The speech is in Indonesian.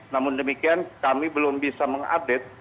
namun demikian kami belum bisa mengupdate